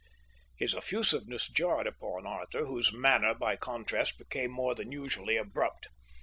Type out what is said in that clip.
His effusiveness jarred upon Arthur, whose manner by contrast became more than usually abrupt.